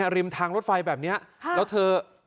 ริมทางรถไฟแบบนี้แล้วเธอ